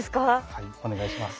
はいお願いします。